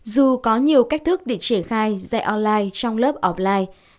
dù có nhiều cách thức để triển khai dạy online trong lớp offline